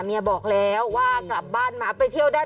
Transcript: บอกแล้วว่ากลับบ้านมาไปเที่ยวได้